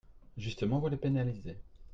Justement, vous les pénalisez.